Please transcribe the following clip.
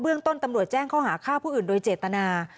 เรื่องต้นตำรวจแจ้งข้อหาฆ่าผู้อื่นโดยเจตนา